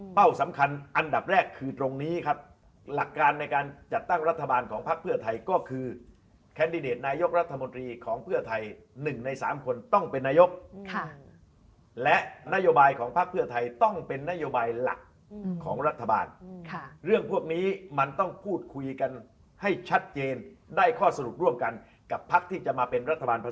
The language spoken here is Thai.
สำคัญอันดับแรกคือตรงนี้ครับหลักการในการจัดตั้งรัฐบาลของพักเพื่อไทยก็คือแคนดิเดตนายกรัฐมนตรีของเพื่อไทย๑ใน๓คนต้องเป็นนายกและนโยบายของพักเพื่อไทยต้องเป็นนโยบายหลักของรัฐบาลเรื่องพวกนี้มันต้องพูดคุยกันให้ชัดเจนได้ข้อสรุปร่วมกันกับพักที่จะมาเป็นรัฐบาล